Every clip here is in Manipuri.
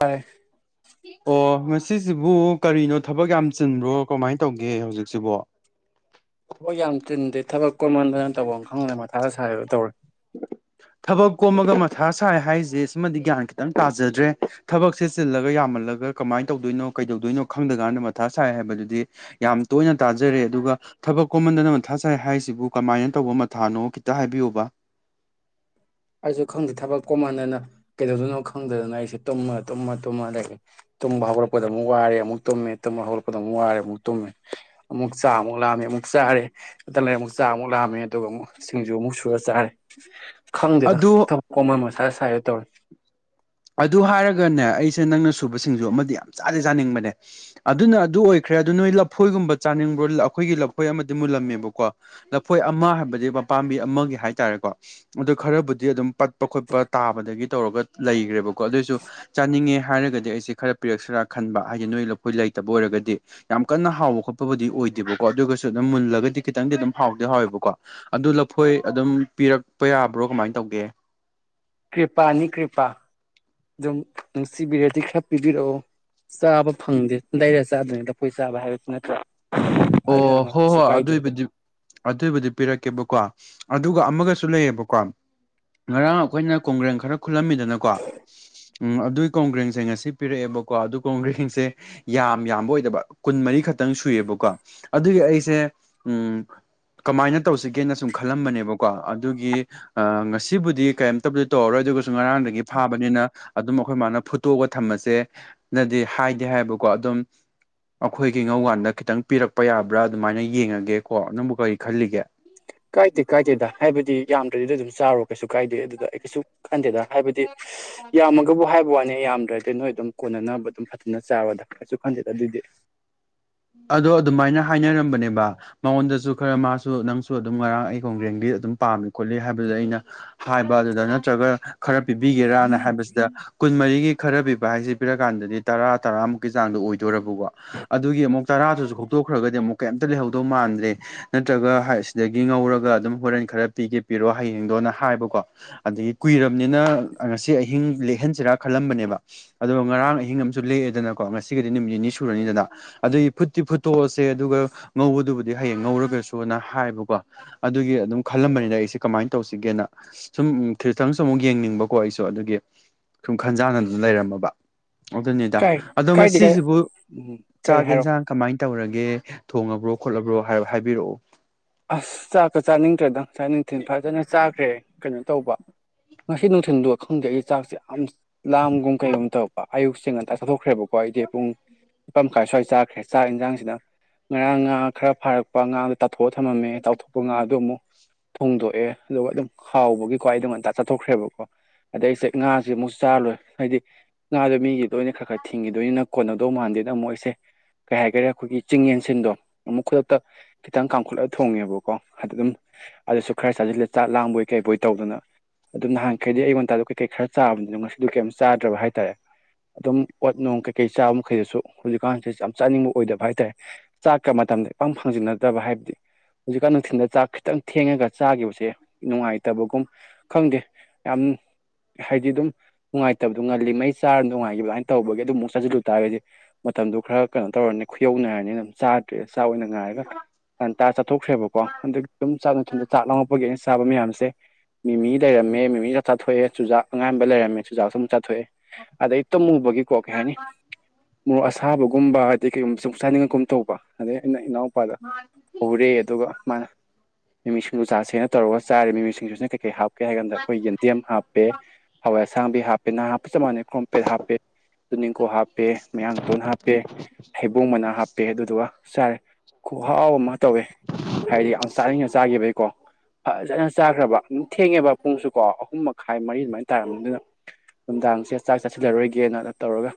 ꯌꯥꯔꯦ ꯑꯣ ꯑꯁꯤꯁꯤꯕꯨ ꯀꯔꯤꯅꯣ ꯊꯕꯛ ꯌꯥꯝ ꯆꯤꯟꯕ꯭ꯔꯣ ꯀꯃꯥꯏꯅ ꯇꯧꯒꯦ ꯍꯧꯖꯤꯛꯁꯤꯕꯣ ꯍꯕꯣꯏ ꯌꯥꯝ ꯆꯤꯟꯗꯦ ꯊꯕꯛ ꯀꯣꯃꯟꯗꯅ ꯇꯧꯐꯝ ꯑꯃ ꯈꯪꯗꯗꯅ ꯃꯊꯥꯗ ꯁꯥꯥꯏꯕ ꯇꯧꯔꯦ [inaudible] ꯊꯕꯛ ꯀꯣꯝꯃꯒ ꯃꯊꯥ ꯁꯥꯏ ꯍꯥꯏꯔꯤꯁꯦ ꯁꯤꯃꯗꯤ ꯒ꯭ꯌꯥꯟ ꯈꯤꯇꯪ ꯇꯥꯖꯗ꯭ꯔꯦ ꯊꯕꯛꯁꯦ ꯆꯤꯜꯂꯒ ꯌꯥꯝꯃꯜꯂꯒ ꯀꯃꯥꯏꯅ ꯇꯧꯗꯣꯏꯅꯣ ꯀꯩꯗꯧꯗꯣꯏꯅꯣ ꯈꯪꯗꯀꯥꯟꯗ ꯃꯊꯥ ꯁꯥꯏ ꯍꯥꯏꯕꯗꯨꯗꯤ ꯌꯥꯝ ꯇꯣꯏꯅ ꯇꯥꯖꯔꯦ ꯑꯗꯨꯒ ꯊꯕꯛ ꯀꯣꯍꯟꯗꯅ ꯃꯊꯥ ꯁꯥꯏ ꯍꯥꯏꯁꯤꯕꯨ ꯀꯃꯥꯏꯅ ꯇꯧꯕ ꯃꯊꯥꯅꯣ ꯈꯤꯇ ꯍꯥꯏꯕꯤꯌꯨꯕ ꯑꯩꯁꯨ ꯈꯪꯗꯦ ꯊꯕꯛ ꯀꯣ ꯃꯥꯟꯅꯅ ꯀꯩꯗꯧꯗꯣꯏꯅꯣ ꯈꯪꯗꯗꯅ ꯑꯩꯁꯦ ꯇꯨꯝꯃ ꯇꯨꯝꯃ ꯇꯨꯝꯃ ꯂꯩ ꯇꯨꯝꯕ ꯍꯧꯔꯛꯄꯗ ꯑꯃꯨꯛ ꯋꯥꯔꯦ ꯑꯃꯨꯛ ꯇꯨꯝꯃꯦ ꯇꯨꯝꯕ ꯍꯧꯒꯠꯛꯄꯗ ꯑꯃꯨꯛ ꯋꯥꯔꯦ ꯑꯃꯨꯛ ꯇꯨꯝꯃꯦ ꯑꯃꯨꯛ ꯆꯥ ꯑꯃꯨꯛ ꯂꯥꯝꯃꯦꯨ ꯑꯃꯨꯛ ꯆꯥꯔꯦ ꯂꯩꯔ ꯑꯃꯨꯛ ꯆꯥ ꯑꯃꯨꯛ ꯂꯥꯛꯑꯝꯃꯦ ꯑꯗꯨꯒ ꯑꯃꯨꯛ ꯁꯤꯡꯖꯨ ꯑꯃꯨꯛ ꯁꯨꯔ ꯆꯥꯔꯦ ꯎꯝ ꯈꯪꯗꯦꯗ ꯊꯕꯛ ꯀꯣꯃ ꯃꯁꯥ ꯁꯥꯏꯔ ꯇꯧꯔ ꯑꯗꯨ ꯍꯥꯏꯔꯒꯅꯦ ꯑꯩꯁꯦ ꯅꯪꯅ ꯁꯨꯕꯁꯤꯡꯁꯨ ꯑꯃꯗꯤ ꯌꯥꯝ ꯆꯥꯖꯦ ꯆꯥꯅꯤꯡꯕꯅꯦ ꯑꯗꯨꯅ ꯑꯗꯨ ꯑꯣꯏꯈ꯭ꯔꯦ ꯈꯔꯦ ꯑꯗꯨꯗ ꯅꯣꯏ ꯂꯐꯣꯏꯒꯨꯝꯕ ꯆꯥꯅꯤꯡꯕ꯭ꯔꯣ ꯑꯩꯈꯣꯏꯒꯤ ꯂꯐꯣꯏ ꯑꯃꯗꯤ ꯃꯨꯜꯂꯝꯃꯦꯕꯀꯣ ꯂꯐꯣꯏ ꯑꯃ ꯍꯥꯏꯕꯗꯤ ꯄꯥꯝꯕꯤ ꯑꯃꯒꯤ ꯍꯥꯏꯇꯥꯔꯦꯀꯣ ꯑꯗꯨ ꯈꯔꯕꯨꯗꯤ ꯑꯗꯨꯝ ꯄꯠꯄ ꯈꯣꯠꯄ ꯇꯥꯕꯗꯒꯤ ꯇꯧꯔꯒ ꯂꯩꯈ꯭ꯔꯦꯕ ꯀꯣ ꯑꯗꯨꯑꯣꯏꯁꯨ ꯆꯥꯅꯤꯡꯉꯦ ꯍꯥꯏꯔꯒꯗꯤ ꯑꯩꯁꯦ ꯈꯔ ꯄꯤꯔꯛꯁꯤꯔꯥ ꯈꯟꯕ ꯍꯥꯏꯗꯤ ꯅꯣꯏ ꯂꯈꯣꯏ ꯂꯩꯇꯕ ꯑꯣꯏꯔꯒꯗꯤ ꯌꯥꯝ ꯀꯟꯅ ꯍꯥꯎꯕ ꯈꯣꯠꯄꯕꯨꯗꯤ ꯑꯣꯏꯗꯦꯕꯀꯣ ꯑꯗꯨꯒꯁꯨ ꯑꯗꯨꯝ ꯃꯨꯜꯂꯒꯗꯤ ꯈꯤꯇꯪꯗꯤ ꯑꯗꯨꯝ ꯍꯥꯎꯗꯤ ꯍꯥꯎꯋꯦꯕꯀꯣ ꯑꯗꯨ ꯈꯣꯏ ꯑꯗꯨꯝ ꯄꯤꯔꯛꯄ ꯌꯥꯕ꯭ꯔꯣ ꯀꯃꯥꯏꯅ ꯇꯧꯒꯦ ꯀ꯭ꯔꯤꯄꯥꯅꯤ ꯀ꯭ꯔꯤꯄꯥ ꯑꯗꯨꯝ ꯅꯨꯡꯁꯤꯕꯤꯔꯗꯤ ꯈꯔ ꯄꯤꯕꯤꯔꯛꯑꯣ ꯆꯥꯕ ꯐꯪꯗꯦ ꯂꯩꯔ ꯆꯥꯗ꯭ꯔꯤꯉꯩꯗꯐꯣꯏ ꯆꯥꯕ ꯍꯥꯏꯕꯁꯨ ꯅꯠꯇ꯭ꯔꯥ ꯑꯣ ꯑꯗꯨꯅ ꯍꯣ ꯀꯩꯁꯨ ꯍꯣꯏ ꯀꯥꯏꯗꯦ ꯑꯗꯣ ꯑꯗꯨꯏꯕꯨꯗꯤ ꯑꯗꯨꯏꯕꯨꯗꯤ ꯄꯤꯔꯛꯀꯦꯕꯀꯣ ꯑꯗꯨꯒ ꯑꯃꯒꯁꯨ ꯂꯩꯌꯦꯕꯀꯣ ꯉꯔꯥꯡ ꯑꯩꯈꯣꯏꯅ ꯀꯣꯡꯒ꯭ꯔꯦꯟ ꯈꯔ ꯈꯨꯜꯂꯝꯃꯤꯗꯅꯀꯣ ꯎꯝ ꯑꯗꯨꯏ ꯀꯣꯡꯒ꯭ꯔꯦꯡꯁꯦ ꯉꯁꯤ ꯄꯤꯔꯛꯑꯦꯕꯀꯣ ꯑꯗꯨ ꯀꯣꯡꯒ꯭ꯔꯦꯡꯁꯦ ꯌꯥꯝ ꯌꯥꯝꯕ ꯑꯣꯏꯗꯕ ꯀꯨꯟ ꯃꯔꯤꯈꯛꯇ ꯈꯤꯇꯪ ꯁꯨꯏꯑꯕꯀꯣ ꯑꯗꯨꯒꯤ ꯑꯩꯁꯦ ꯎꯝ ꯀꯃꯥꯏꯅ ꯇꯧꯁꯤꯒꯦꯅ ꯁꯨꯝ ꯈꯜꯂꯝꯕꯅꯦꯕꯀꯣ ꯑꯗꯨꯒꯤ ꯉꯁꯤꯕꯨꯗꯤ ꯀꯩꯝꯇꯕꯨꯗꯤ ꯇꯧꯔꯔꯣꯏ ꯑꯗꯨꯒꯁꯨ ꯉꯔꯥꯡꯗꯒꯤ ꯐꯥꯕꯅꯤꯅ ꯑꯗꯨꯝ ꯑꯩꯈꯣꯏ ꯃꯥꯅ ꯐꯨꯠꯇꯣꯛꯑꯒ ꯊꯝꯃꯁꯦ ꯅꯗꯤ ꯍꯥꯏꯗꯦ ꯍꯥꯏꯕꯀꯣ ꯑꯗꯨꯝ ꯑꯩꯈꯣꯏꯒꯤ ꯉꯧꯀꯥꯟꯗ ꯈꯤꯇꯪ ꯄꯤꯔꯛꯄ ꯆꯄ ꯌꯥꯕ꯭ꯔꯥ ꯑꯗꯨꯃꯥꯏꯅ ꯌꯦꯡꯉꯒꯦꯀꯣ ꯑꯗꯨꯕꯨ ꯀꯔꯤ ꯈꯜꯂꯤꯒꯦ ꯀꯥꯏꯗꯦ ꯀꯥꯏꯗꯦꯗ ꯍꯥꯏꯕꯗꯤ ꯌꯥꯝꯗ꯭ꯔꯗꯤ ꯑꯗꯨꯝ ꯆꯥꯔꯣ ꯀꯩꯁꯨ ꯀꯥꯏꯗꯦ ꯑꯗꯨꯗ ꯑꯩ ꯀꯩꯁꯨ ꯈꯟꯗꯦꯗ ꯍꯥꯏꯕꯗꯤ ꯌꯥꯝꯃꯒꯕꯨ ꯍꯥꯏꯕ ꯋꯥꯅꯤ ꯌꯥꯝꯗ꯭ꯔꯗꯤ ꯅꯣꯏ ꯑꯗꯨꯝ ꯀꯣꯟꯅꯅꯕ ꯑꯗꯨꯝ ꯐꯖꯅ ꯆꯥꯕꯗ ꯀꯩꯁꯨ ꯈꯟꯗꯦꯗ ꯑꯗꯨꯏꯗꯤ ꯑꯗꯣ ꯑꯗꯨꯃꯥꯏꯅ ꯍꯥꯏꯅꯔꯝꯕꯅꯦꯕ ꯃꯉꯣꯟꯗꯁꯨ ꯈꯔ ꯃꯥꯁꯨ ꯅꯪꯁꯨ ꯑꯗꯨꯝ ꯉꯔꯥꯡ ꯑꯩ ꯈꯣꯡꯒ꯭ꯔꯦꯡꯕꯤ ꯑꯗꯨꯝ ꯄꯥꯝꯃꯤ ꯈꯣꯠꯂꯤ ꯍꯥꯏꯕꯗ ꯑꯩꯅ ꯍꯥꯏꯕ ꯑꯗꯨꯗ ꯅꯠꯇ꯭ꯔꯒ ꯈꯔ ꯄꯤꯕꯤꯒꯦꯔꯅ ꯍꯥꯏꯕꯁꯤꯗ ꯀꯨꯟꯃꯔꯤꯒꯤ ꯈꯔ ꯄꯤꯕ ꯍꯥꯏꯁꯤ ꯄꯤꯔꯀꯥꯟꯗꯗꯤ ꯇꯔꯥ ꯇꯔꯥꯃꯨꯛꯀꯤ ꯆꯥꯡꯗꯣ ꯑꯣꯏꯗꯣꯔꯔꯕꯀꯣ ꯑꯗꯨꯒꯤ ꯑꯃꯨꯛ ꯁꯨ ꯍꯧꯗꯣꯛꯈ꯭ꯔꯒꯗꯤ ꯑꯃꯨꯛ ꯀꯩꯝꯇ ꯂꯩꯍꯧꯗꯧ ꯃꯥꯟꯗ꯭ꯔꯦ ꯅ꯭ꯔꯒ ꯁꯤꯗꯒꯤ ꯉꯧꯔꯒ ꯑꯗꯨꯝ ꯍꯣꯔꯦꯟ ꯈꯔ ꯄꯤꯒꯦ ꯄꯤꯔꯣ ꯍꯌꯦꯡꯗꯣꯅ ꯍꯥꯏꯕꯀꯣ ꯑꯗꯒꯤ ꯀꯨꯏꯔꯕꯅꯤꯅ ꯉꯁꯤ ꯑꯍꯤꯡ ꯂꯦꯛꯍꯟꯁꯤꯔ ꯈ ꯂꯝꯕꯅꯦꯕ ꯑꯗꯨꯒ ꯉꯔꯥꯡ ꯑꯍꯤꯡ ꯑꯃꯁꯨ ꯂꯦꯛꯑꯦꯗꯅꯀꯣ ꯉꯁꯤꯒꯗꯤ ꯅꯨꯃꯤꯠ ꯅꯤꯅꯤ ꯁꯨꯔꯅꯤꯗꯅ ꯑꯗꯨꯒꯤ ꯐꯨꯠꯇꯤ ꯐꯨꯠꯇꯣꯛꯑꯁꯦ ꯑꯗꯨꯒ ꯉꯧꯕꯗꯨꯕꯨꯗꯤ ꯍꯌꯦꯡ ꯉꯧꯔꯒꯁꯨꯅ ꯍꯥꯏꯕꯀꯣ ꯑꯗꯨꯒꯤ ꯑꯗꯨꯝ ꯈꯜꯂꯝꯕꯅꯤꯅ ꯑꯩꯁꯦ ꯀꯃꯥꯏꯅ ꯇꯧꯁꯤꯒꯦꯅ ꯁꯨꯝ ꯈꯤꯖꯤꯇꯪꯁꯨ ꯑꯃꯨꯛ ꯌꯦꯡꯅꯤꯡꯕꯀꯣ ꯑꯩꯁꯨ ꯑꯗꯨꯒꯤ ꯁꯨꯝ ꯈꯟꯖꯥꯟꯅꯗꯨꯅ ꯂꯩꯔꯝꯃꯕ ꯑꯗꯨꯅꯤꯗ ꯀꯥꯏ ꯑꯗꯣ ꯀꯥꯏꯗꯦ ꯀꯥꯏ ꯉꯁꯤꯁꯤꯕꯨ ꯎꯝ ꯀꯩ ꯆꯥꯛ ꯍꯥꯏꯔꯣ ꯌꯦꯟꯁꯥꯡ ꯀꯃꯥꯏꯅ ꯇꯧꯔꯒꯦ ꯊꯣꯡꯉꯕ꯭ꯔꯣ ꯈꯣꯠꯂꯕ꯭ꯔꯣ ꯍꯥꯏꯕꯤꯔꯛꯑꯣ ꯑꯁ ꯆꯥꯛꯀ ꯆꯥꯅꯤꯡꯗ꯭ꯔꯦꯗꯪ ꯆꯥꯅꯤꯡꯊꯤꯤꯟ ꯐꯖꯅ ꯆꯥꯈ꯭ꯔꯦ ꯀꯩꯅꯣ ꯇꯧꯕ ꯉꯁꯤ ꯅꯨꯡꯊꯤꯜꯗꯣ ꯈꯪꯗꯦ ꯑꯩ ꯆꯥꯛꯁꯦ ꯌꯥꯝ ꯂꯥꯝꯒꯨꯝ ꯀꯩꯒꯨꯝꯕ ꯇꯧꯔꯛꯄ ꯑꯌꯨꯛꯁꯦ ꯉꯟꯇ ꯆꯠꯊꯣꯛꯈ꯭ꯔꯦꯕꯀꯣ ꯑꯩꯗꯤ ꯄꯨꯡꯄꯥ ꯑꯃꯥꯏ ꯁ꯭ꯋꯥꯏ ꯆꯥꯈ꯭ꯔꯦ ꯆꯥꯛ ꯌꯦꯟꯖꯥꯡꯁꯤꯅ ꯉꯔꯥꯡ ꯉꯥ ꯈꯔꯥꯔꯛꯄ ꯉꯥꯗꯣ ꯇꯥꯊꯣꯛ ꯄꯣꯠ ꯊꯝꯃꯦ ꯆꯥꯎꯥꯎꯊꯣꯛ ꯉꯥꯗꯣ ꯑꯃꯨꯛ [unintelligible] ꯍꯣꯡꯗꯣꯛꯑꯦ ꯑꯗꯨꯒ ꯑꯗꯨꯝ ꯍꯥꯎꯕꯒꯤ ꯈ꯭ꯋꯥꯏ ꯑꯗꯨꯝ ꯑꯟꯇꯥ ꯆꯠꯊꯣꯛꯈ꯭ꯔꯦꯕꯀꯣ ꯑꯗꯩ ꯑꯩꯁꯦ ꯉꯥꯁꯦ ꯑꯃꯨꯛꯁꯨ ꯆꯥꯔ ꯂꯣꯏꯦ ꯍꯥꯏꯗꯤ ꯉꯥꯗꯣ ꯃꯤꯒꯤꯗ ꯑꯣꯏꯅ ꯈꯔ ꯈꯔ ꯊꯤꯡꯈꯤꯗꯣꯏꯅꯤꯅ ꯀꯣꯟꯅꯧꯗꯧ ꯃꯥꯟꯗꯦꯅ ꯃꯣꯏꯁꯦ ꯀꯩ ꯍꯥꯏꯒꯔꯦ ꯑꯩꯈꯣꯏꯒꯤ ꯆꯤꯡ ꯌꯦꯟꯁꯤꯟꯗꯣ ꯑꯃꯨꯛ ꯈꯨꯗꯛꯇ ꯈꯤꯇꯪ ꯀ ꯈꯨꯠꯂ ꯊꯣꯡꯉꯦꯕꯀꯣ ꯑꯗꯨ ꯑꯗꯨꯝ ꯑꯗꯨꯁꯨ ꯈꯔ ꯆꯥꯁꯤꯜꯂꯦ ꯆꯥꯛ ꯂꯥꯡꯕꯣꯏ ꯀꯩꯕꯣꯏ ꯇꯧꯗꯅ ꯑꯗꯨꯣ ꯅꯍꯥꯟꯈꯩꯗꯤ ꯑꯩꯣꯟꯟꯇꯥꯗꯣ ꯀꯩꯀꯩ ꯈꯔ ꯆꯥꯕꯅꯤꯅꯣ ꯉꯁꯤꯣ ꯀꯩꯝ ꯆꯥꯗ꯭ꯔꯕ ꯍꯥꯏꯇꯥꯔꯦ ꯑꯗꯨꯝ ꯑꯣꯠ ꯅꯨꯡ ꯀꯩꯀꯩ ꯆꯥꯕ ꯃꯈꯩꯗꯁꯨ ꯍꯧꯖꯤꯛꯀꯥꯟꯁꯦ ꯌꯥꯝ ꯆꯥꯅꯤꯡꯕ ꯑꯣꯏꯗꯕ ꯍꯥꯏꯇꯥꯥꯔꯦ ꯆꯥꯛꯀ ꯃꯇꯝꯗ ꯄꯪ ꯐꯪꯖꯟꯅꯗꯕ ꯍꯥꯏꯕꯗꯤ ꯍꯧꯖꯤꯛꯀꯥꯟ ꯅꯨꯡꯊꯤꯜꯗ ꯆꯥꯛ ꯈꯤꯇꯪ ꯊꯦꯡꯉꯒ ꯆꯥꯈꯤꯕꯁꯦ ꯅꯨꯡꯉꯥꯏꯇꯕꯒꯨꯝ ꯈꯪꯗꯦ ꯌꯥꯝ ꯍꯥꯏꯗꯤ ꯑꯗꯨꯝ ꯅꯨꯡꯉꯥꯏꯇꯕꯗꯨꯣ ꯉꯜꯂꯤ ꯃꯩ ꯆꯥꯔ ꯅꯨꯡꯉꯥꯏꯈꯤꯕ ꯑꯗꯨꯥꯏꯅ ꯇꯧꯕꯒꯤ ꯑꯗꯨꯝ ꯑꯃꯨꯛ ꯆꯥꯁꯤꯜꯂꯨ ꯇꯥꯔꯒꯗꯤ ꯃꯇꯝꯗꯨꯣ ꯈꯔ ꯀꯩꯅꯣ ꯇꯧꯔꯅꯤ ꯈꯨꯌꯧꯅꯔꯅꯤ ꯑꯗꯨꯝ ꯆꯥꯗ꯭ꯔꯦ ꯆꯥꯛ ꯑꯣꯏꯅ ꯉꯥꯏꯔꯒ ꯉꯟꯇꯥ ꯆꯥꯊꯣꯛꯈ꯭ꯔꯦꯕꯀꯣ ꯑ ꯑꯗꯨꯝ ꯆꯥꯛ ꯊꯅ ꯆꯥꯛ ꯂꯥꯡꯉꯛꯄꯒꯤꯦ ꯆꯥꯕ ꯃꯌꯥꯝꯁꯦ ꯃꯤꯃꯤ ꯂꯩꯔꯝꯃꯦ ꯃꯤꯃꯤꯁꯨ ꯆꯥꯊꯣꯛꯑꯦ ꯆꯨꯖꯥꯛ ꯑꯉꯥꯟꯕ ꯂꯩꯔꯝꯃꯦ ꯆꯨꯖꯥꯛꯁꯨ ꯑꯃꯨꯛ ꯆ ꯊꯣꯛꯑꯦ ꯑꯗꯩ ꯇꯝꯃꯨꯕꯒꯤꯀꯣ ꯀꯩ ꯍꯥꯏꯅꯤ ꯃꯣꯔꯣꯛ ꯑꯁꯥꯕꯒꯨꯝꯕ ꯑꯩ ꯀꯩꯒꯨꯝꯕ ꯆꯨꯝꯁꯥꯅꯤꯡꯉꯛꯀꯨꯝ ꯇꯧꯕ ꯑꯗꯩ ꯑꯩꯅ ꯏꯅꯥꯎꯄꯥꯗ ꯎꯔꯦ ꯑꯗꯨꯒ ꯃꯥ ꯅꯨꯃꯤꯠ ꯅꯨꯡꯖꯥ ꯁꯦꯡꯅ ꯇꯧꯔꯒ ꯆꯥꯔꯤꯕ ꯃꯤꯑꯣꯏꯁꯤꯡꯁꯤꯅ ꯀꯩ ꯀꯩ ꯍꯥꯞꯀꯦ ꯍꯥꯏ ꯀꯥꯟꯗ ꯑꯩꯈꯣꯏ ꯌꯦꯟꯗꯦꯝ ꯍꯥꯞꯄꯦ ꯍꯋꯥꯏ ꯑꯁꯥꯡꯕꯤ ꯍꯥꯞꯄꯦꯅ ꯍꯥꯞꯄ ꯆꯞ ꯃꯥꯟꯅꯩ ꯀ꯭ꯔꯣꯝꯄꯦꯠ ꯍꯥꯞꯄꯦ ꯇꯨ ꯅꯤꯡꯅꯤꯡꯀꯣꯛ ꯍꯥꯞꯄꯦ ꯃꯌꯥꯡꯇꯣꯟ ꯍꯥꯞꯄꯦ ꯍꯩꯕꯨꯡ ꯃꯅꯥ ꯍꯥꯞꯄꯦ ꯑꯗꯨꯗꯨꯒ ꯆꯔꯦ ꯑꯍꯥꯎ ꯑꯃ ꯇꯧꯋꯦ ꯍꯥꯏꯗꯤ ꯌꯥꯝ ꯆꯥꯅꯤꯡꯅ ꯆꯥꯈꯤꯕꯒꯤꯀꯣ ꯐꯖꯅ ꯆꯥꯈ꯭ꯔꯕ ꯑꯗꯨꯝ ꯊꯦꯡꯉꯦꯕ ꯄꯨꯡꯁꯨꯀꯣ ꯑꯍꯨꯝ ꯃꯈꯥꯏ ꯃꯔꯤ ꯑꯗꯨꯃꯥꯏꯅ ꯇꯥꯔꯝꯅꯤ ꯑꯗꯨꯅ ꯅꯨꯡꯗꯥꯡꯁꯦ ꯆꯥꯛ ꯆꯥꯁꯤꯜꯂꯔꯣꯏꯒꯦꯅ ꯇꯧꯔꯒ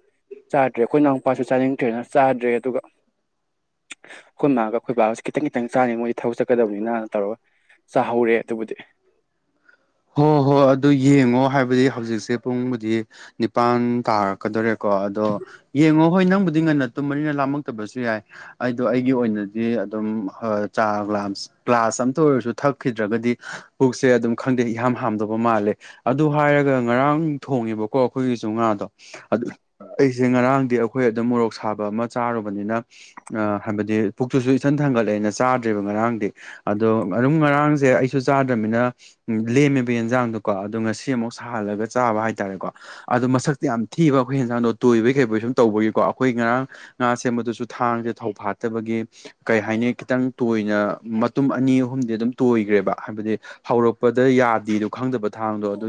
ꯆꯥꯗ꯭ꯔꯦ ꯑꯩꯈꯣꯏ ꯏꯅꯥꯎꯄꯥꯁꯨ ꯆꯥꯅꯤꯡꯗ꯭ꯔꯦꯅ ꯆꯥꯗ꯭ꯔꯦ ꯑꯗꯨꯒ ꯑꯩꯈꯣꯏ ꯃꯥꯒ ꯑꯩꯈꯣꯏ ꯕꯥꯁꯦ ꯈꯤꯇꯪ ꯈꯤꯇꯪ ꯆꯥꯅꯤ ꯃꯣꯏꯁꯦ ꯊꯕꯛ ꯆꯠꯀꯗꯕꯅꯤꯅꯅ ꯇꯧꯔꯒ ꯆꯥꯍꯧꯔꯦ ꯑꯗꯨꯕꯨꯗꯤ [unintelligible] ꯍꯣꯏ ꯍꯣꯏ ꯑꯗꯨ ꯌꯦꯡꯉꯣ ꯍꯥꯏꯕꯗꯤ ꯍꯧꯖꯤꯛꯁꯦ ꯄꯨꯡꯕꯨꯗꯤ ꯅꯤꯄꯥꯟ ꯇꯥꯔꯛꯀꯗꯧꯔꯦ ꯀꯣ ꯑꯗꯣ ꯌꯦꯡꯉꯣ ꯍꯣꯏ ꯅꯪꯕꯨꯗꯤ ꯑꯗꯨꯗꯤꯡ ꯉꯟꯅ ꯇꯨꯝꯕꯅꯤꯅ ꯂꯥꯝꯃꯛꯇꯕꯁꯨ ꯌꯥꯏ ꯑꯩꯗꯣ ꯑꯩꯒꯤ ꯑꯣꯏꯅꯗꯤ ꯑꯗꯨꯝ ꯆꯥ ꯒ꯭ꯂꯥꯁ ꯀ꯭ꯂꯥꯁ ꯑꯝꯇ ꯑꯣꯏꯔꯁꯨ ꯊꯛꯈꯤꯗ꯭ꯔꯒꯗꯤ ꯕꯨꯛꯁꯦ ꯑꯗꯨꯝ ꯈꯪꯗꯦ ꯏꯍꯥ ꯍꯥꯝꯗꯧꯕ ꯃꯥꯜꯂꯦ ꯑꯗꯨ ꯍꯥꯏꯔꯒ ꯉꯔꯥꯡ ꯊꯣꯡꯉꯦꯕꯀꯣ ꯑꯩꯈꯣꯏꯒꯤꯁꯨ ꯉꯥꯗꯣ ꯑꯗꯨ ꯑꯩꯁꯦ ꯉꯔꯥꯡꯗꯤ ꯑꯩꯈꯣꯏ ꯑꯗꯨꯝ ꯃꯣꯔꯣꯛ ꯁꯥꯕ ꯑꯃ ꯆꯥꯔꯨꯕꯅꯤꯅ ꯑ ꯍꯥꯏꯕꯗꯤ ꯄꯨꯛꯇꯨꯁꯨ ꯏꯊꯟ ꯊꯥꯡꯒꯠꯂꯛꯑꯦꯅ ꯆꯥꯗ꯭ꯔꯦꯕ ꯉꯔꯥꯡꯗꯤ ꯑꯗꯣ ꯑꯗꯨꯝ ꯉꯔꯥꯡꯁꯦ ꯑꯩꯁꯨ ꯆꯥꯗ꯭ꯔꯕꯅꯤꯅ ꯂꯦꯝꯃꯦꯕ ꯌꯦꯟꯖꯥꯡꯗꯣꯀꯣ ꯑꯗꯣ ꯉꯁꯤ ꯑꯃꯨꯛ ꯁꯥꯍꯜꯂꯒ ꯆꯥꯕ ꯍꯥꯏꯇꯥꯔꯦꯀꯣ ꯑꯗꯣ ꯃꯁꯛꯇꯤ ꯌꯥꯝ ꯊꯤꯕ ꯑꯩꯈꯣꯏ ꯍꯟꯁꯥꯡꯗꯣ ꯇꯣꯏꯕꯒꯤ ꯀꯩꯕꯩ ꯁꯨꯝ ꯇꯧꯕꯒꯤꯀꯣ ꯑꯩꯈꯣꯏ ꯉꯔꯥꯡ ꯉꯥ ꯁꯦꯝꯕꯗꯨꯁꯨ ꯊꯥꯡꯁꯦ ꯊꯧ ꯐꯥꯠꯇꯕꯒꯤ ꯀꯩ ꯍꯥꯏꯅꯤ ꯈꯤꯇꯪ ꯇꯣꯏꯅ ꯃꯇ ꯑꯅꯤ ꯑꯍꯨꯝꯗꯤ ꯑꯗꯨꯝ ꯇꯣꯏꯈ꯭ꯔꯦꯕ ꯍꯥꯏꯕꯗꯤ ꯍꯧꯔꯛ ꯗ ꯌꯥꯗꯦꯗꯣ ꯈꯪꯗꯕ ꯊꯥꯡꯗꯣ ꯑꯗꯨ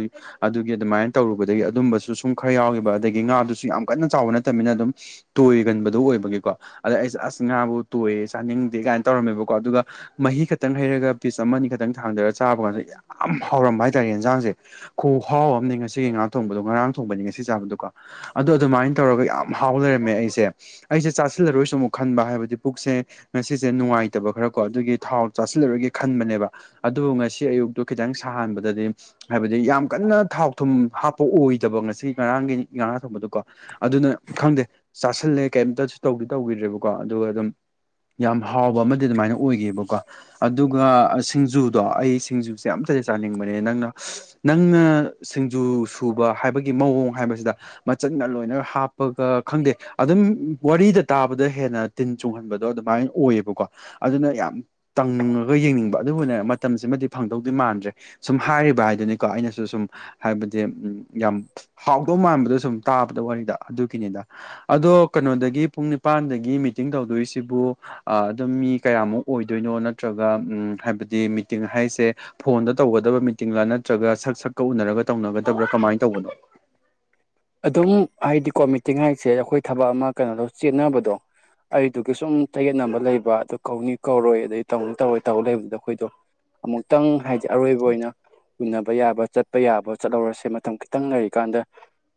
ꯑꯗꯨꯒꯤ ꯑꯗꯨꯃꯥꯏꯅ ꯇꯧꯔꯨꯕꯗꯒꯤ ꯑꯗꯨꯝꯕꯁꯨ ꯁꯨꯝ ꯈꯔ ꯌꯥꯎꯈꯤꯕ ꯑꯗꯒꯤ ꯉꯥꯗꯨꯁꯨ ꯌꯥꯝ ꯀꯟꯅ ꯆꯥꯎꯕ ꯅꯠꯇꯅꯤꯅ ꯑꯗꯨꯝ ꯇꯣꯏꯒꯟꯕꯗꯨꯣ ꯑꯣꯏꯕꯒꯤꯀꯣ ꯑꯗ ꯑꯩꯁ ꯑꯁ ꯉꯥꯕꯨ ꯆꯥꯅꯤꯡꯗꯦ ꯀꯥꯏꯅ ꯇꯧꯔꯝꯃꯦꯕꯀꯣ ꯑꯗꯨꯒ ꯃꯍꯤ ꯈꯛꯇꯪ ꯍꯩꯔꯒ ꯄꯤꯁ ꯑꯃ ꯑꯅꯤ ꯈꯛꯇꯪ ꯊꯥꯡꯊꯔꯒ ꯆꯥꯕ ꯀꯥꯟꯗ ꯌꯥꯝ ꯍꯥꯎꯔꯝꯕ ꯍꯥꯏꯇꯥꯔꯦ ꯌꯦꯟꯖꯥꯡꯁꯦ ꯈꯨ ꯍꯥꯎꯑꯝꯅꯤ ꯉꯁꯤꯒꯤ ꯉꯥꯥꯛ ꯊꯣꯡꯕꯗꯣ ꯉꯔꯥꯡ ꯊꯣꯡꯕꯅꯤ ꯉꯁꯤ ꯆꯥꯕꯗꯨꯒ ꯑꯗ ꯑꯗꯨꯃꯥꯏꯅ ꯇꯧꯔꯒ ꯌꯥꯝ ꯍꯥꯎ ꯂꯩꯔꯝꯃꯦ ꯑꯩꯁꯦ ꯑꯩꯁꯦ ꯆꯥꯁꯤꯜꯂꯔꯣꯏꯁꯨ ꯑꯃꯨꯛ ꯈꯟꯕ ꯍꯥꯏꯕꯗꯤ ꯄꯨꯛꯁꯦ ꯉꯁꯤꯁꯦ ꯅꯨꯡꯉꯥꯏꯇꯕ ꯈꯔꯀꯣ ꯑꯗꯨꯒꯤ ꯊꯥꯎ ꯆꯥꯁꯤꯜꯂꯔꯒꯦ ꯈꯟꯕꯅꯦꯕ ꯑꯗꯨꯕꯨ ꯉꯁꯤ ꯑꯌꯨꯛꯇꯨ ꯈꯤꯇꯪ ꯁꯥꯍꯟꯕꯗꯗꯤ ꯍꯥꯏꯕꯗꯤ ꯌꯥꯝ ꯀꯟꯅ ꯊꯥꯎ ꯊꯨꯝ ꯍꯥꯞꯄ ꯑꯣꯏꯗꯕ ꯉꯁꯤ ꯉꯔꯥꯡꯒꯤ ꯊꯕꯗ ꯀꯣ ꯑꯗꯨꯅ ꯈꯪꯗꯦ ꯆꯥꯥꯁꯜꯂꯦ ꯀꯩꯝꯇ ꯇꯧꯗꯤ ꯇꯧꯈꯤꯗ꯭ꯔꯦꯕꯀꯣ ꯑꯗꯨꯒ ꯑꯗꯨꯝ ꯌꯥꯝ ꯍꯥꯎꯕ ꯑꯃꯗꯤ ꯑꯗꯨꯃꯥꯏꯅ ꯑꯣꯏꯒꯕꯀꯣ ꯑꯗꯨꯒ ꯁꯤꯡꯖꯨꯗꯣ ꯑꯩ ꯁꯤꯡꯖꯨꯦ ꯌꯥꯝ ꯐꯤꯖ ꯆꯥꯅꯤꯡꯕꯅꯦ ꯅꯪꯅ ꯅꯪꯅ ꯁꯤꯡꯖꯨ ꯁꯨꯕ ꯍꯥꯏꯕꯒꯤ ꯃꯑꯣꯡ ꯍꯥꯏꯕꯁꯤꯗ ꯃꯆꯟꯅ ꯂꯣꯏꯅ ꯍꯥꯞꯄꯒ ꯈꯪꯗꯦ ꯑꯗꯨꯝ ꯋꯥꯔꯤꯗ ꯇꯥꯕꯗ ꯍꯦꯟꯅ ꯇꯤꯟ ꯆꯣꯡꯍꯟꯕꯗꯣ ꯑꯗꯨꯃꯥꯏꯅ ꯑꯣꯏꯌꯦꯕꯀꯣ ꯑꯗꯨꯅ ꯌꯥꯝ ꯇꯉꯒ ꯌꯦꯡꯅꯤꯡꯕ ꯑꯗꯨ ꯑꯣꯏꯅ ꯃꯇꯝꯁꯤꯃꯗꯤ ꯐꯪ ꯃꯥꯟꯗ꯭ꯔꯦ ꯁꯨꯝ ꯍꯥꯏꯔꯤꯕ ꯍꯥꯏꯗꯨꯅꯤꯀꯣ ꯑꯩꯅꯁꯨ ꯁꯨꯝ ꯍꯥꯏꯕꯗꯤ ꯌꯥꯝ ꯍꯥꯎꯗꯧ ꯋꯥꯔꯤꯅꯤ ꯑꯩꯅꯣ ꯄ ꯅꯤꯄꯇꯤꯡ ꯇꯗ ꯁꯤꯕꯨ ꯑꯗꯨꯝ ꯃꯤ ꯀꯌꯥꯃꯨꯛ ꯑꯣꯏꯗꯣꯏꯅꯣ ꯅꯠꯇ꯭ꯔꯒ ꯎ ꯍꯥꯏꯕꯗꯤ ꯃꯤꯇꯤꯡ ꯍꯥꯏꯁꯦ ꯐꯣꯟꯗ ꯇꯧꯒꯗꯕ ꯃꯤꯇꯤꯡꯒꯥ ꯅꯠꯇ꯭ꯔꯒ ꯁꯛ ꯁꯛꯀ ꯎꯅꯔꯒ ꯇꯧꯅꯒꯗꯕ꯭ꯔꯥ ꯀꯃꯥꯏꯅ ꯇꯧꯕꯅꯣ ꯎꯝ ꯑꯗꯨꯝ ꯍꯥꯏꯗꯤꯀꯣ ꯃꯤꯇꯤꯡ ꯍꯥꯏꯁꯦ ꯑꯩꯈꯣꯏ ꯊꯕꯛ ꯑꯃ ꯀꯩꯅꯣꯗꯣ ꯆꯦꯟꯅꯕꯗꯣ ꯑꯩꯗꯨꯒꯤ ꯁꯨꯝ ꯇꯌꯦꯠꯅꯕ ꯂꯩꯕ ꯑꯗꯨ ꯀꯧꯅꯤ ꯀꯧꯔꯣꯏ ꯑꯗꯩ ꯇꯧꯅꯤ ꯇꯧꯔꯣꯏ ꯇꯧ ꯂꯩꯕꯗ ꯑꯩꯈꯣꯏꯗꯣ ꯑꯃꯨꯛꯇꯪ ꯍꯥꯏ ꯑꯔꯣꯏꯕ ꯑꯣꯏꯅ ꯎꯟꯅꯅꯕ ꯌꯥꯕ ꯆꯠꯄ ꯌꯥꯕ ꯆꯠꯍꯧꯔꯁꯦ ꯃꯇꯝ ꯈꯤꯇꯪ ꯂꯩꯔꯤꯀꯥꯟꯗ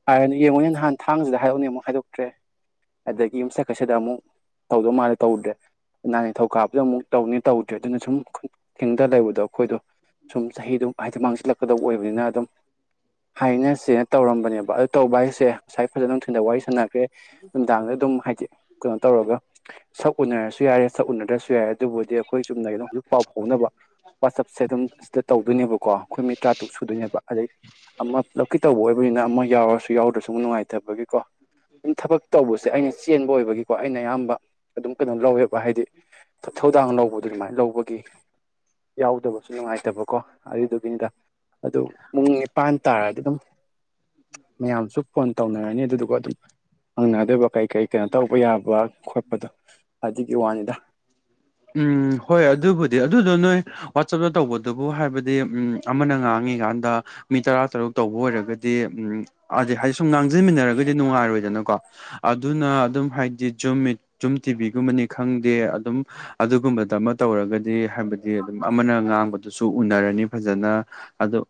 ꯍꯥꯏꯔ ꯌꯦꯡꯉꯣꯅꯦ ꯅꯍꯥꯟ ꯊꯥꯡꯁꯤꯗ ꯍꯥꯏꯗꯣꯛꯅꯦ ꯑꯃꯨꯛ ꯍꯥꯏꯗꯣꯛꯇ꯭ꯔꯦ ꯑꯗꯒꯤ ꯌꯨꯝꯆꯀꯠꯁꯤꯗ ꯑꯃꯨꯛ ꯇꯧꯗꯧ ꯃꯥꯜꯂꯦ ꯇꯧꯗ꯭ꯔꯦ ꯅꯅꯥꯒꯤꯊꯧꯧ ꯀꯥꯕꯗ ꯑꯃꯨꯛ ꯇꯧꯅꯤ ꯇꯧꯗ꯭ꯔꯦ ꯑꯗꯨꯅ ꯁꯨꯝ ꯦꯡꯇ ꯂꯩꯕꯗꯣ ꯑꯩꯈꯣꯏꯗꯣ ꯁꯨꯝ ꯆꯍꯤꯗꯨ ꯍꯥꯏꯗꯤ ꯃꯥꯡꯁꯤꯜꯂꯛꯀꯗꯕ ꯑꯣꯏꯕꯅꯤꯅ ꯑꯗꯨꯝ ꯍꯥꯏꯅꯁꯤꯅ ꯇꯧꯔꯝꯕꯅꯦꯕ ꯇꯧꯕ ꯍꯥꯏꯁꯦ ꯉꯁꯥꯏ ꯐꯖꯅ ꯅꯨꯡꯊꯤꯗ ꯋꯥꯔꯤ ꯁꯥꯟꯅꯈ꯭ꯔꯦ ꯅꯨꯡꯗꯥꯡꯗ ꯑꯗꯨꯝ ꯍꯥꯏꯗꯤ ꯀꯩꯅꯣ ꯇꯧꯔꯒ ꯁꯛ ꯎꯅꯔꯁꯨ ꯌꯥꯔꯦ ꯁꯛ ꯎꯅꯗ꯭ꯔꯁꯨ ꯌꯥꯔꯦ ꯑꯗꯨꯕꯨꯗꯤ ꯑꯩꯈꯣꯏ ꯆꯨꯝꯅ ꯀꯒꯤꯩꯅꯣ ꯍꯧꯖꯤꯛ ꯄꯥꯎ ꯐꯥꯎꯅꯕ ꯋꯥꯆꯞꯁꯦ ꯑꯗꯨꯝ ꯁꯤꯗ ꯇꯧꯗꯣꯏꯅꯦꯕꯀꯣ ꯑꯩꯈꯣꯏ ꯃꯤ ꯇꯔꯥ ꯇꯔꯨꯛ ꯁꯨꯗꯣꯏꯅꯦꯕ ꯑꯗꯩ ꯑꯃ ꯂꯧꯀꯤ ꯇꯧꯕ ꯑꯣꯏꯕꯅꯤꯅ ꯑꯃ ꯌꯥꯎꯔꯁꯨ ꯌꯥꯎꯗ꯭ꯔꯁꯨ ꯑꯃꯨꯛ ꯅꯨꯡꯉꯥꯏꯇꯕꯒꯤꯀꯣ ꯑꯗꯨ ꯊꯕꯛ ꯇꯧꯕꯁꯦ ꯑꯩꯅ ꯆꯦꯟꯕ ꯑꯣꯏꯕꯒꯤꯀꯣ ꯑꯩꯅ ꯑꯌꯥꯝꯕ ꯑꯗꯨꯝ ꯀꯩꯅꯣ ꯂꯧꯋꯦꯕ ꯍꯥꯏꯗꯤ ꯃꯊꯧꯗꯥꯡ ꯂꯧꯕꯗꯨ ꯑꯗꯨꯃꯥꯏꯅ ꯂꯧꯕꯒꯤ ꯌꯥꯎꯗꯕꯁꯨ ꯅꯨꯡꯉꯥꯏꯇꯕꯀꯣ ꯑꯗꯨꯏꯗꯨꯒꯤꯅꯤꯗ ꯑꯗꯨ ꯄꯨꯡ ꯅꯤꯄꯥꯟ ꯇꯥꯔꯗꯤ ꯑꯗꯨꯝ ꯎꯝ ꯃꯌꯥꯝꯁꯨ ꯐꯣꯟ ꯇꯧꯅꯔꯅꯤ ꯑꯗꯨꯗꯨꯒ ꯑꯗꯨꯝ ꯍꯪꯅꯗꯣꯏꯕ ꯀꯩ ꯀꯩ ꯀꯩꯅꯣ ꯇꯧꯕ ꯌꯥꯕ ꯈꯣꯠꯄꯗꯣ ꯑꯗꯨꯒꯤ ꯋꯥꯅꯤꯗ ꯎꯝ ꯍꯣꯏ ꯑꯗꯨꯕꯨꯗꯤ ꯑꯗꯨꯗꯣ ꯅꯣꯏ ꯋꯥꯆꯞꯇ ꯇꯧꯕꯗꯨꯕꯨ ꯍꯥꯏꯕꯗꯤ ꯎꯝ ꯑꯃꯅ ꯉꯥꯡꯉ ꯆꯪꯉꯀꯥꯟꯗ ꯃꯤ ꯇꯔꯥ ꯇꯔꯨꯛ ꯇꯧꯕ ꯑꯣꯏꯔꯒꯗꯤ ꯎꯝ ꯑꯗ ꯍꯥꯏꯗꯤ ꯁꯨꯝ ꯂꯥꯡꯁꯤꯟꯃꯤꯟꯅꯔꯒꯗꯤ ꯅꯨꯡꯉꯥꯏꯔꯣꯏꯗ ꯀꯣ ꯑꯗꯨꯅ ꯑꯗꯨꯝ ꯍꯥꯏꯗꯤ ꯖꯨꯝ ꯇꯤꯚꯤꯒꯨꯝꯕꯅꯤ ꯈꯪꯗꯦ ꯑꯗꯨꯝ ꯑꯗꯨꯒꯨꯝꯕꯗ ꯑꯃ ꯇꯧꯔꯒꯗꯤ ꯍꯥꯏꯕꯗꯤ ꯑꯗꯨꯝ ꯑꯃꯅ ꯉꯥꯡꯕꯗꯨꯁꯨ ꯎꯅꯔꯅꯤ ꯐꯖꯅ ꯑꯗꯣ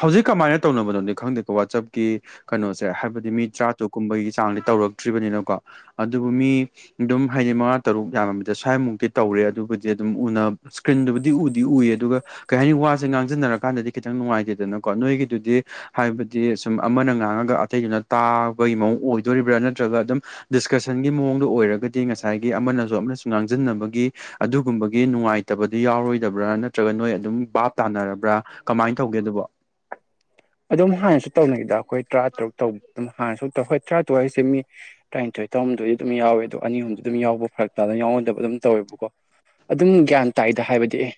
ꯍꯧꯖꯤꯛ ꯀꯃꯥꯏꯅ ꯇꯧꯅꯕꯅꯣꯅꯤ ꯈꯪꯗꯦꯀꯣ ꯋꯥꯆꯞꯀꯤ ꯀꯩꯅꯣꯁꯦ ꯍꯥꯏꯕꯗꯤ ꯃꯤ ꯇꯔꯥꯇꯔꯨꯛ ꯀꯨꯝꯕꯒꯤ ꯆꯥꯡꯗꯤ ꯇꯧ ꯍꯧꯧꯔꯛꯇ꯭ꯔꯤꯕꯅꯤꯅꯀꯣ ꯑꯗꯨꯕꯨ ꯃꯤ ꯑꯗꯨꯝ ꯍꯥꯏꯗꯤ ꯃꯉꯥ ꯇꯔꯨꯛ ꯌꯥꯝꯃꯃꯤꯗ ꯁ꯭ꯋꯥꯥꯏꯃꯨꯛꯇꯤ ꯇꯧꯔꯦ ꯑꯗꯨꯕꯨꯗꯤ ꯑꯗꯨꯝ ꯎꯅꯕ ꯏꯁꯀ꯭ꯔꯤꯟꯗꯨꯕꯨꯗꯤ ꯎꯗꯤ ꯎꯏ ꯑꯗꯨꯒ ꯀꯩ ꯍꯥꯏꯅꯤ ꯋꯥꯁꯦ ꯉꯥꯡꯖꯟꯅꯔꯀꯥꯟꯗꯗꯤ ꯈꯤꯇꯪ ꯅꯨꯡꯉꯦ ꯍꯥꯏꯕꯗꯤ ꯁꯥꯡꯉ ꯑꯇꯩꯗꯨꯅ ꯇꯥꯕꯒꯤ ꯃ ꯑꯣꯏꯗꯣꯔꯤꯕ꯭ꯔꯥ ꯅꯠꯇ꯭ꯔꯒ ꯑꯗꯨꯝ ꯗꯤꯁꯀꯁꯟꯒꯤ ꯃꯑꯣꯡꯗ ꯑꯣꯏꯔꯒꯗꯤ ꯉꯁꯥꯏꯒꯤ ꯑꯃꯅꯁꯨ ꯑꯃꯅꯁꯨ ꯉꯥꯡꯁꯤꯟꯅꯕꯒꯤ ꯑꯗꯨꯒꯨꯝꯕꯒꯤ ꯅꯨꯡꯉꯥꯏꯇꯕꯗꯨ ꯌꯥꯎꯔꯣꯏꯗꯕ꯭ꯔꯥ ꯅꯠꯇ꯭ꯔꯒ ꯅꯣꯏ ꯑꯗꯨꯝ ꯕꯥꯞ ꯇꯥꯅꯔꯕ꯭ꯔꯥ ꯀꯃꯥꯏꯅ ꯇꯧ ꯌꯦꯒꯗꯨꯕ ꯑꯗꯨꯝ ꯍꯥꯟꯅꯁꯨ ꯇꯧꯅꯈꯤꯗ ꯑꯩꯈꯣꯏ ꯇꯔꯥ ꯇꯔꯨꯛ ꯇꯧ ꯑꯗꯨꯝ ꯍꯥꯟꯅꯁꯨ ꯇꯧ ꯍꯣꯏ ꯇꯔꯥꯇꯔꯛ ꯍꯥꯏꯁꯦ ꯃꯤ ꯇꯔꯥꯅꯤꯊꯣꯏ ꯇꯧꯔꯗꯗꯤ ꯑꯗꯨꯝ ꯌꯥꯎꯋꯦꯗꯣ ꯑꯅꯤ ꯑꯍꯨꯝꯗꯤ ꯑꯗꯨꯝ ꯌꯥꯎꯕ ꯐꯔꯛꯇꯥꯗ ꯌꯥꯎꯍꯟꯗꯕ ꯑꯗꯨꯝ ꯇꯧꯋꯦꯕꯀꯣ ꯑꯗꯨꯝ ꯒ꯭ꯌꯥꯟ ꯇꯥꯏꯗ ꯍꯥꯏꯕꯗꯤ ꯑꯦ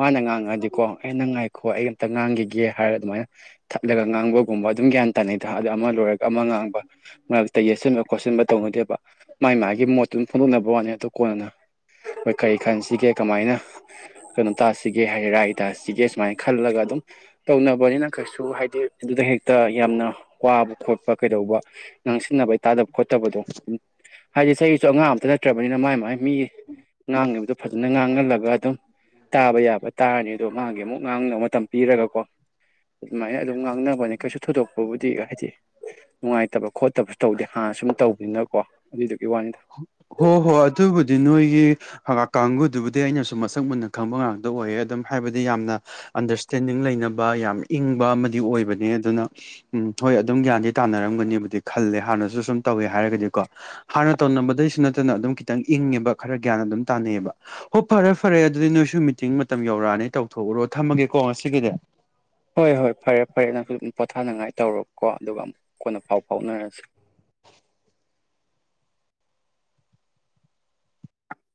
ꯃꯥꯅ ꯉꯥꯡꯉꯛꯑꯗꯤꯀꯣ ꯑꯩꯅ ꯉꯥꯏꯈꯣ ꯑꯩ ꯑꯝꯇ ꯉꯥꯡꯈꯤꯒꯦ ꯍꯥꯏꯔ ꯑꯗꯨꯃꯥꯏꯅ ꯊꯠꯂꯒ ꯉꯥꯡꯕꯒꯨꯝꯕ ꯑꯗꯨꯝ ꯒ꯭ꯌꯥꯟ ꯇꯥꯅꯩꯗ ꯑꯗ ꯑꯃ ꯂꯣꯏꯔꯒ ꯑꯃ ꯉꯥꯡꯕ ꯃꯔꯛꯇ ꯌꯦꯠꯁꯤꯟꯕ ꯈꯣꯠꯆꯤꯟꯟꯕ ꯇꯧꯅ ꯦꯕ ꯃꯥꯏ ꯃꯥꯒꯤ ꯃꯣꯠꯇꯨ ꯐꯣꯡꯗꯣꯛꯅꯕ ꯋꯥꯅꯤ ꯑꯗꯨ ꯀꯣꯟꯅꯅ ꯍꯣꯏ ꯀꯔꯤ ꯈꯟꯁꯤꯒꯦ ꯀꯃꯥꯏꯅ ꯀꯩꯅꯣ ꯇꯥꯁꯤꯒꯦ ꯍꯥꯏ ꯔꯥꯏ ꯁꯤꯒꯦ ꯁꯨꯃꯥꯏꯅ ꯈꯜꯂꯒ ꯑꯗꯨꯝ ꯇꯧꯅꯕꯅꯤꯅ ꯀꯩꯁꯨ ꯍꯥꯏꯗꯤ ꯑꯗꯨꯗ ꯍꯦꯛꯇ ꯌꯥꯝꯅ ꯋꯥꯕ ꯈꯣꯠꯄ ꯀꯩꯗꯧꯕ ꯉꯥꯡꯁꯤꯟꯅꯕꯩꯇꯥꯥꯗꯕ ꯈꯣꯠꯇꯕꯗꯣ ꯍꯥꯏꯗꯤ ꯆꯍꯤꯁꯨ ꯑꯉꯥꯡ ꯑꯝꯇ ꯅꯠꯇ꯭ꯔꯕꯅꯤꯅ ꯃꯥꯏ ꯃꯥꯏ ꯃꯤꯒꯤ ꯉꯥꯡꯉꯤꯕꯗꯣ ꯐꯖꯅ ꯉꯥꯡꯍꯜꯂꯒ ꯑꯗꯨꯝ ꯇꯥꯕ ꯌꯥꯕ ꯇꯥꯔꯅꯤ ꯑꯗꯣ ꯃꯥꯒꯤ ꯑꯃꯨꯛ ꯉꯥꯡꯅꯕ ꯃꯇꯝ ꯄꯤꯔꯒꯀꯣ ꯑꯗꯨꯃꯥꯏꯅ ꯑꯗꯨꯝ ꯉꯥꯡꯅꯕꯅꯦ ꯀꯩꯁꯨ ꯊꯣꯏꯗꯣꯛꯄꯕꯨꯗꯤ ꯍꯥꯏꯗꯤ ꯅꯨꯡꯉꯥꯏꯇꯕ ꯈꯣꯠꯇꯕꯁꯨ ꯇꯧꯗꯦ ꯍꯥꯟꯅ ꯁꯨꯝ ꯇꯧꯕꯅꯤꯅꯀꯣ ꯑꯗꯨꯗꯨꯒꯤ ꯋꯥꯅꯤꯗ ꯍꯣ ꯍꯣꯏ ꯑꯗꯨꯕꯨꯗꯤ ꯅꯣꯏꯒꯤ ꯀꯥꯡꯒꯨꯗꯨꯕꯨꯗꯤ ꯑꯩꯅꯁꯨ ꯃꯁꯛ ꯃꯨꯟꯅ ꯈꯪꯕ ꯉꯥꯛꯇ ꯑꯣꯏꯌꯦ ꯑꯗꯨꯝ ꯍꯥꯏꯕꯗꯤ ꯌꯥꯝꯅ ꯑꯟꯗꯔꯁꯇꯦꯟꯗꯤꯡ ꯂꯩꯅꯕ ꯌꯥꯝ ꯏꯪꯕ ꯑꯃꯗꯤ ꯑꯣꯏꯕꯅꯦ ꯑꯗꯨꯅ ꯎꯝ ꯍꯣꯏ ꯑꯗꯨꯝ ꯒ꯭ꯌꯥꯟꯗꯤ ꯇꯥꯅꯔꯝꯒꯅꯤꯕꯨꯗꯤ ꯈꯜꯂꯦ ꯍꯥꯟꯅꯁꯨ ꯁꯨꯝ ꯇꯧꯋꯦ ꯍꯥꯏꯔꯒꯗꯤꯀꯣ ꯍꯥꯟꯅ ꯇꯧꯅꯕꯗꯩꯁꯨ ꯅꯠꯇꯅ ꯑꯗꯨꯝ ꯈꯤꯇꯪ ꯏꯪꯉꯦꯕ ꯈꯔ ꯒ꯭ꯌꯥꯟ ꯑꯗꯨꯝ ꯇꯥꯟꯅꯩꯑꯕ ꯍꯣꯏ ꯐꯔꯦ ꯐꯔꯦ ꯑꯗꯨꯗꯤ ꯅꯣꯏꯁꯨ ꯃꯤꯇꯤꯡ ꯃꯇꯝ ꯌꯧꯔꯛꯑꯅꯤ ꯇꯧꯊꯣꯛꯎꯔꯣ ꯊꯝꯃꯒꯦꯀꯣ ꯉꯁꯤ [unintelligible] ꯍꯣꯏ ꯍꯣꯏ ꯐꯔꯦ ꯐꯔꯦ ꯅꯪꯁꯨ ꯑꯗꯨꯝ ꯄꯣꯊꯥꯅꯉꯥꯏ ꯇꯧꯔꯣꯀꯣ ꯑꯗꯨꯒ ꯑꯃꯨꯛ ꯀꯣꯟꯅ ꯐꯥꯎ ꯐꯥꯎꯅꯔꯁꯤ [unintelligible]